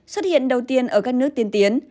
xuất hiện đầu tiên ở các nước tiên tiến